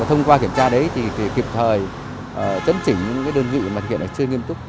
và thông qua kiểm tra đấy thì kịp thời chấn chỉnh những đơn vị mà hiện là chưa nghiêm túc